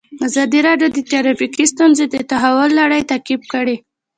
ازادي راډیو د ټرافیکي ستونزې د تحول لړۍ تعقیب کړې.